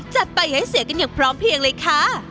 จัดไปให้เสียกันอย่างพร้อมเพียงเลยค่ะ